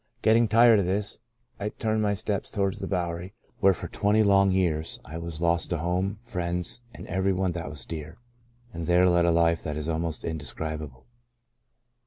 Getting tired of this, I turned my steps towards the Bowery, where for twenty long 1 26 " Out of Nazareth " years I was lost to home, friends, and every one that was dear, and there led a life that is almost indescribable.